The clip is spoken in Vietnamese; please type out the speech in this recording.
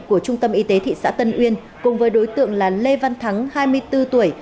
của trung tâm y tế thị xã tân uyên cùng với đối tượng là lê văn thắng hai mươi bốn tuổi